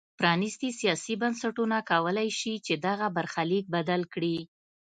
پرانیستي سیاسي بنسټونه کولای شي چې دغه برخلیک بدل کړي.